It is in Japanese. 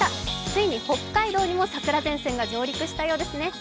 ついに北海道にも桜前線が上陸したようですね。